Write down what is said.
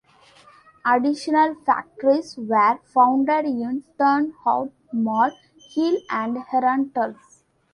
Additional factories were founded in Turnhout, Mol, Geel and Herentals.